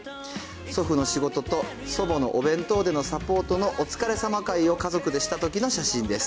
祖父の仕事と祖母のお弁当でのサポートのお疲れさま会を家族でしたときの写真です。